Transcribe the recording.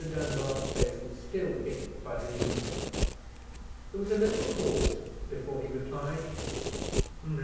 Dunbar's face was still hidden by the newspaper. There was a little pause before he replied.